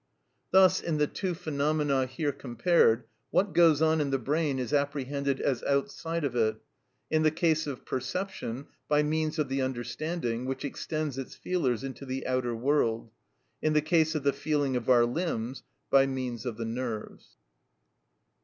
Thus, in the two phenomena here compared, what goes on in the brain is apprehended as outside of it; in the case of perception, by means of the understanding, which extends its feelers into the outer world; in the case of the feeling of our limbs, by means of the nerves.